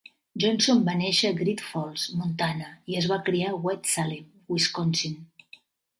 Johnson va néixer a Great Falls, Montana, i es va criar a West Salem, Wisconsin.